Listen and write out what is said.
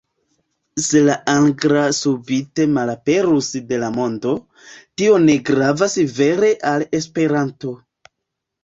Se la angla subite malaperus de la mondo, tio ne gravas vere al Esperanto.